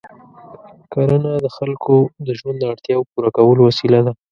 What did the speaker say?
کرنه د خلکو د ژوند د اړتیاوو پوره کولو وسیله ده.